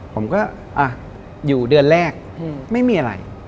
ผมก็อยู่เดือนแรกไม่มีอะไร